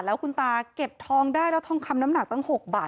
แล้วคุณตาเก็บทองได้แล้วทองคำน้ำหนักตั้ง๖บาท